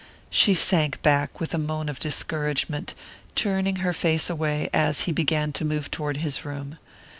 She sank back with a moan of discouragement, turning her face away as he began to move toward his room.